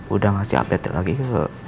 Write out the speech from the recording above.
udah ngasih update lagi